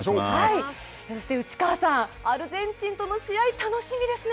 そして内川さん、アルゼンチンとの試合、楽しみですね。